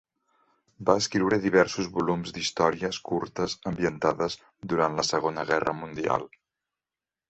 Va escriure diversos volums d"històries curtes ambientades durant la Segona Guerra Mundial.